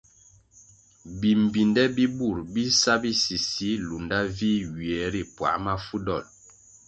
Bimbpinde bi bur bi sa bisisi lunda vih ywie ri puãh mafu dol.